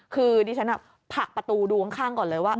คือดิฉันผลักประตูดูข้างก่อนเลยว่า